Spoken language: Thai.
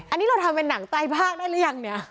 อันนี้เราทำเป็นหนังใต้ภาคได้หรือยังเนี่ย